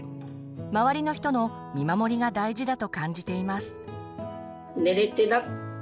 「周りの人の見守りが大事」だと感じています。